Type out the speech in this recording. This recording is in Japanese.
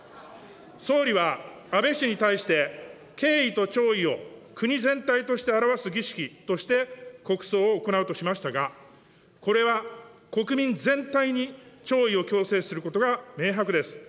総理は、安倍氏に対して、敬意と弔意を国全体として表す儀式として、国葬を行うとしましたが、これは国民全体に弔意を強制することが明白です。